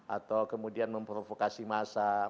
atau kemudian memprovokasi massa